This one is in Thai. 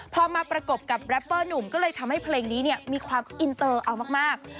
พอมาประกบกับแรปเปอร์หนุ่มก็เลยทำให้เพลงนี้มีความอินเตอร์เอามาก